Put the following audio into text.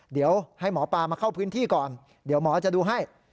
เดี๋ยวให้หมอปลามาเข้าพื้นที่ก่อนเดี๋ยวหมอจะดูให้